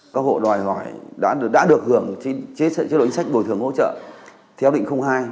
các hộ đòi hỏi đã được hưởng trên chế độ ính sách bồi thường hỗ trợ theo định hai